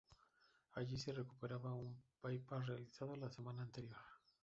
Allí se recuperaba de un bypass realizado la semana anterior.